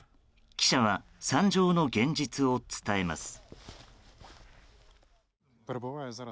記者は惨状の現実を伝えます。